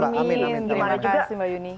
terima kasih mbak yuni